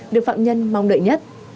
được phạm nhân mong đợi nhất